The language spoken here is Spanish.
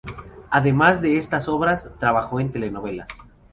Además de estas obras, trabajó en telenovelas.